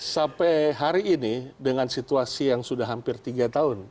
sampai hari ini dengan situasi yang sudah hampir tiga tahun